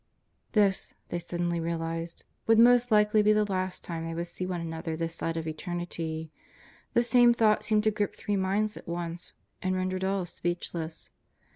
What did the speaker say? This, they suddenly realized, would most likely be the last time they would see one another this side of eternity. The same thought seemed to grip three minds at once and rendered all speechless.